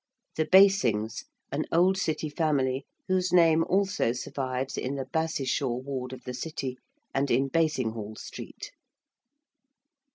~The Basings~: an old City family whose name also survives in the 'Bassishaw' ward of the City, and in Basinghall Street.